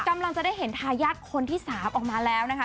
กำลังจะได้เห็นทายาทคนที่๓ออกมาแล้วนะคะ